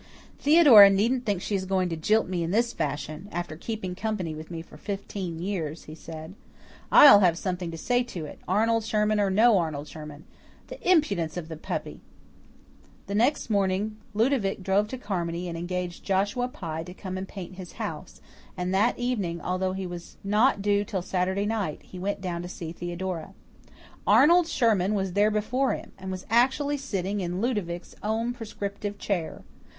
"Theodora needn't think she is going to jilt me in this fashion, after keeping company with me for fifteen years," he said. "I'LL have something to say to it, Arnold Sherman or no Arnold Sherman. The impudence of the puppy!" The next morning Ludovic drove to Carmody and engaged Joshua Pye to come and paint his house, and that evening, although he was not due till Saturday night, he went down to see Theodora. Arnold Sherman was there before him, and was actually sitting in Ludovic's own prescriptive chair.